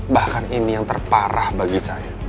bahkan ini yang terparah bagi saya